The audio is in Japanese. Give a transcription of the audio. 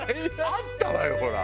あったわよほら。